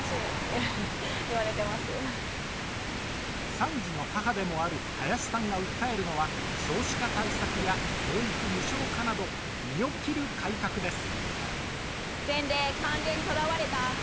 ３児の母でもある林さんが訴えるのは少子化対策や教育無償化など身を切る改革です。